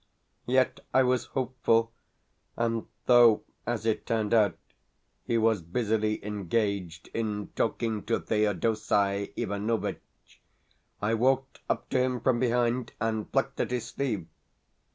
Yet I was hopeful, and though, as it turned out, he was busily engaged in talking to Thedosei Ivanovitch, I walked up to him from behind, and plucked at his sleeve.